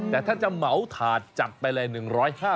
แต่ถ้าจะเหมาถาดจับไปเลย